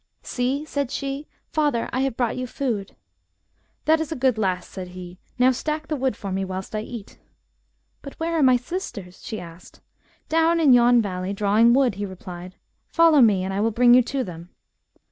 ''* See,' said she, ' father, I have brought you food.' '"That is a good lass,' said he. 'Now stack the wood for me whilst I eat.' ' But where are my sisters ?' she asked. Down in yon valley drawing wood,' he replied ;* follow me, and I will bring you to them.'